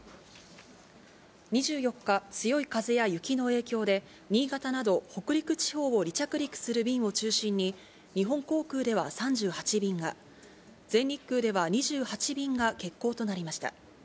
２４日、強い風や雪の影響で、新潟など北陸地方を離着陸する便を中心に、日本航空では３８便が、全日空では２８便が欠航となりました。